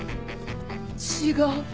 違う。